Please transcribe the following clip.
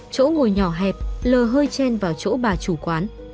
chỗ ngồi nhỏ hẹp lờ hơi chen vào chỗ bà chủ quán